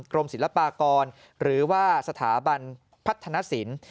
กรมศิลปากรหรือว่าสถาบันพัฒนศิลป์